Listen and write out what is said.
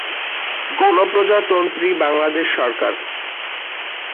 গণপ্রজাতন্ত্রী বাংলাদেশ সরকার।